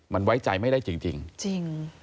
มันไว้ใจไม่ได้จริง